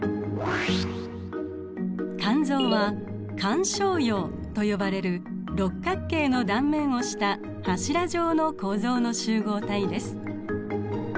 肝臓は肝小葉と呼ばれる六角形の断面をした柱状の構造の集合体です。